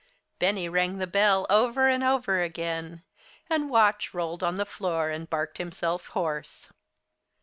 Benny rang the bell over and over again, and Watch rolled on the floor and barked himself hoarse.